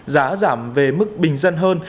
giá giảm về mức bình dân hơn